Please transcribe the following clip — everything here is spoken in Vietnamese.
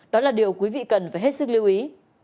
đó là điều quý vị cần phải hết sức lưu ý